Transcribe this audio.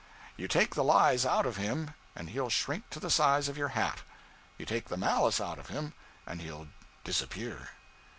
You take the lies out of him, and he'll shrink to the size of your hat; you take the malice out of him, and he'll disappear.